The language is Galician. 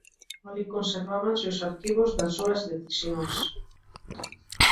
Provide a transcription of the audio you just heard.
Alí conservábanse os arquivos das súas decisións.